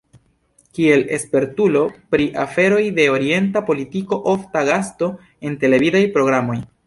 Kiel spertulo pri aferoj de orienta politiko ofta gasto en televidaj programoj.